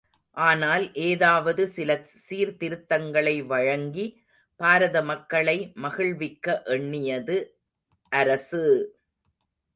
ஆனால், ஏதாவது சில சீர்திருத்தங்களை வழங்கி, பாரத மக்களை மகிழ்விக்க எண்ணியது அரசு!